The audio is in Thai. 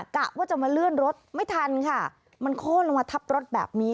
กะว่าจะมาเลื่อนรถไม่ทันค่ะมันโค้นลงมาทับรถแบบนี้